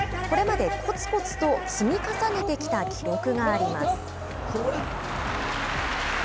これまでコツコツと積み重ねてきた記録があります。